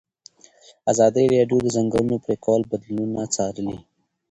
ازادي راډیو د د ځنګلونو پرېکول بدلونونه څارلي.